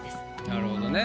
なるほどね。